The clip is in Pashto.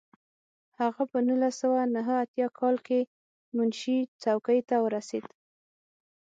هغه په نولس سوه نهه اتیا کال کې منشي څوکۍ ته ورسېد.